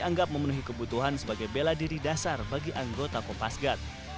anggap memenuhi kebutuhan sebagai bela diri dasar bagi anggota kopasgat